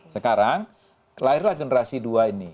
sekarang lahirlah generasi dua ini